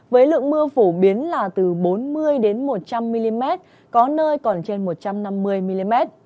với lượng mưa phổ biến là từ bốn mươi một trăm linh mm có nơi còn trên một trăm năm mươi mm